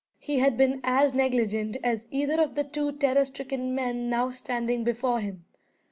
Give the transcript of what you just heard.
He had been as negligent as either of the two terror stricken men now standing before him.